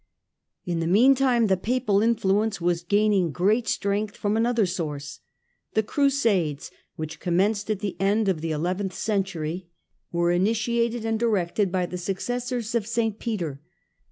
In the meantime the Papal influence was gaining great strength from another source. The Crusades, which commenced at the end of the eleventh century, FREDERICK THE SECOND A HERITAGE OF STRIFE 17 were initiated and directed by the successors of St. Peter.